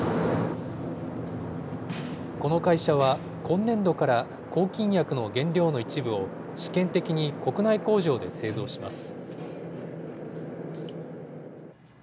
この会社は、今年度から抗菌薬の原料の一部を試験的に国内工場で製造します。